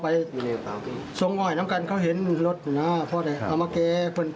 รถที่เฉียวห้างอ่ะนะเออรถห้างอ่ะนะ